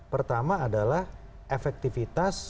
pertama adalah efektivitas